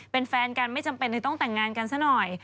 เป็นแฟนกันไม่จำเป็นเลยต้องแต่งงานกันซะหน่อย